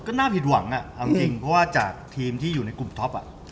ก็น่าผิดหวังเอาจริงเพราะว่าจากทีมที่อยู่ในกลุ่มท็อป